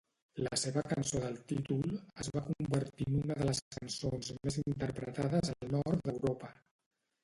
La seva cançó del títol es va convertir en una de les cançons més interpretades al nord d'Europa.